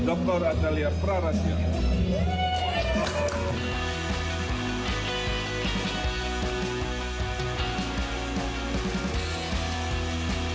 doktor atalia praranya